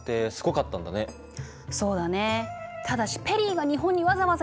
そうだね。